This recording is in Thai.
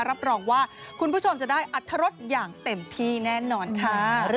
รับรองว่าคุณผู้ชมจะได้อัธรสอย่างเต็มที่แน่นอนค่ะ